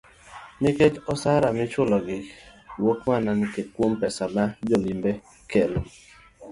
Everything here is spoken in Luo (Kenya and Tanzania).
Nikech osara michulo gi wuok mana kuom pesa ma jo limbe kelo.